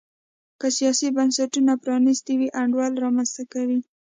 که سیاسي بنسټونه پرانیستي وي انډول رامنځته کوي.